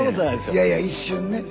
いやいや一瞬ね。